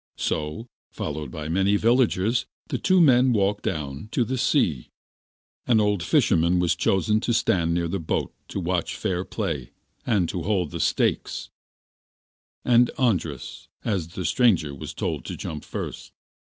So, followed by many of the villagers, the two men walked down to the sea. An old fisherman was chosen to stand near the boat to watch fair play, and to hold the stakes, and Andras, as the stranger was told to jump first.